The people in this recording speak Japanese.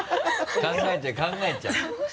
考えちゃう考えちゃう。